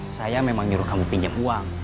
saya memang nyuruh kamu pinjam uang